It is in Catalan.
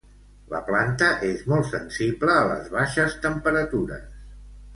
La planta és molt sensible a les baixes temperatures.